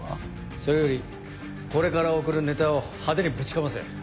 それよりこれから送るネタを派手にぶちかませ。